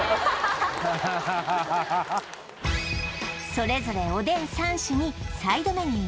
それぞれおでん３種にサイドメニュー